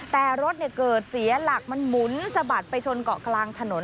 แต่รถเกิดเสียหลักมันหมุนสะบัดไปชนเกาะกลางถนน